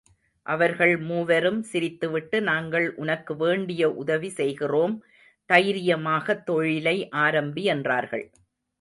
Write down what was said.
அவர்கள் மூவரும் சிரித்துவிட்டு நாங்கள் உனக்கு வேண்டிய உதவி செய்கிறோம் தைரியமாகத் தொழிலை ஆரம்பி என்றார்கள்.